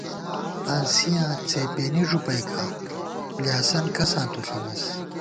ہانسِیاں څېپېنی ݫُپَئیکا ، بلیاسن کساں تُو ݪِمېس